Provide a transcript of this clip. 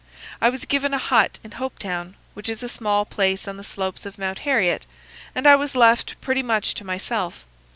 I was given a hut in Hope Town, which is a small place on the slopes of Mount Harriet, and I was left pretty much to myself.